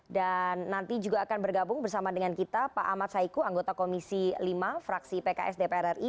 dan nanti juga akan bergabung bersama dengan kita pak ahmad saiku anggota komisi lima fraksi pks dpr ri